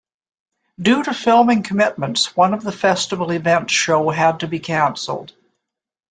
Due to filming commitments one of the festival events show had to be canceled.